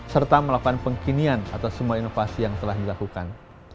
serta melakukan pengkinian atas semua inovasi yang telah dilakukan